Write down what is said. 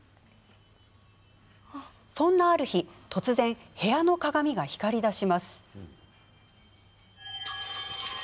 そんなある日突然、部屋の鏡が光りだします。